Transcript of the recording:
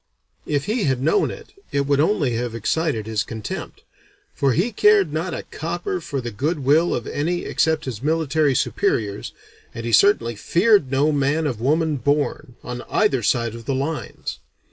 If he had known it, it would only have excited his contempt, for he cared not a copper for the good will of any except his military superiors, and certainly feared no man of woman born, on either side of the lines.